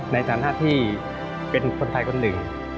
ในฐานะที่เป็นคนไทยคนหนึ่ง